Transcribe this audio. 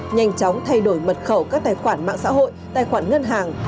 nhanh chóng thay đổi mật khẩu các tài khoản mạng xã hội tài khoản ngân hàng